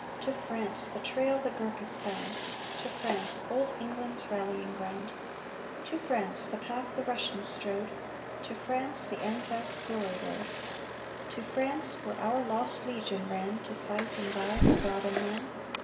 To France the trail the Gurkhas found! To France old England's rallying ground! To France the path the Russians strode! To France the Anzac's glory road! To France where our Lost Legion ran To fight and die for God and man!